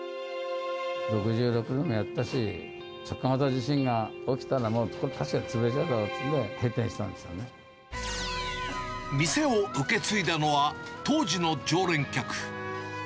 ６６年もやったし、直下型地震が起きたらもう潰れちゃうだろうということで閉店した店を受け継いだのは、当時の常連客。